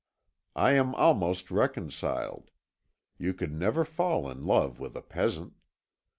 I am almost reconciled; you could never fall in love with a peasant.